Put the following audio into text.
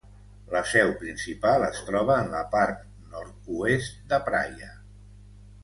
La seu principal es troba en la part nord-oest de Praia.